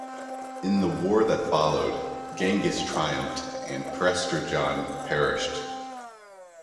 In the war that followed, Genghis triumphed and Prester John perished.